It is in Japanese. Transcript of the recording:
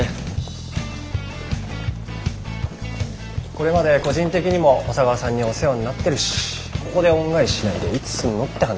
これまで個人的にも小佐川さんにお世話になってるしここで恩返ししないでいつすんのって話だし。